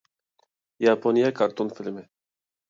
ياپونىيە كارتون فىلىمى